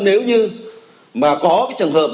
nếu như mà có cái trường hợp